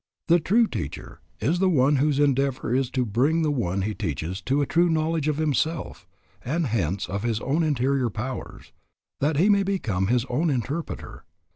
The true teacher is the one whose endeavor is to bring the one he teaches to a true knowledge of himself and hence of his own interior powers, that he may become his own interpreter.